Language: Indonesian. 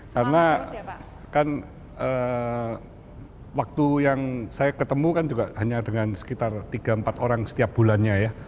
karena kan waktu yang saya ketemu kan juga hanya dengan sekitar tiga empat orang setiap bulannya ya